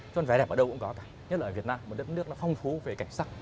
cho nên vẻ đẹp ở đâu cũng có thật nhất là ở việt nam một đất nước nó phong phú về cảnh sắc